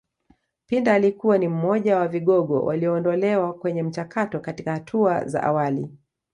Pinda alikuwa ni mmoja wa vigogo walioondolewa kwenye mchakato katika hatua za awali